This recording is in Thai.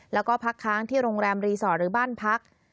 แล้วก็พักค้างที่โรงแรมรีสอร์ทหรือบ้านพัก